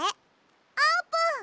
あーぷん！